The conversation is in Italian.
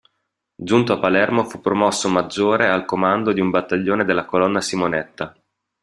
Giunto a Palermo fu promosso Maggiore al comando di un Battaglione della Colonna Simonetta.